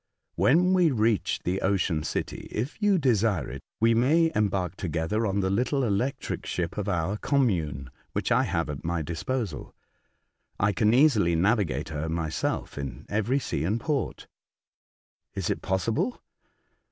When we reach the Ocean city, if you desire it, we may embark together on the little electric ship of our com mune, which I have at my disposal. I can easily navigate her myself in every sea and port." " Is it possible